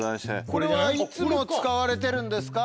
これはいつも使われてるんですか